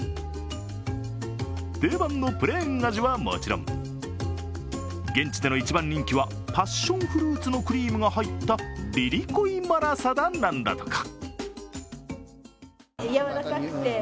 定番のプレーン味はもちろん現地での一番人気はパッションフルーツのクリームが入ったリリコイマラサダなんだとか。